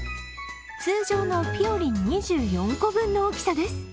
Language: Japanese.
通常のぴよりん２４個分の大きさです。